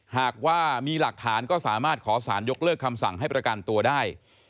หากว่ามีหลักฐานก็สามารถขอสารยกเลิกคำสั่งให้ประกันตัวได้